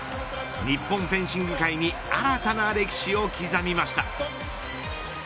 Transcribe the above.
日本フェンシング界に新たな歴史を刻みました。